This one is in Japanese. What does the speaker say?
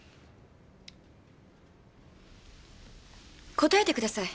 答えてください。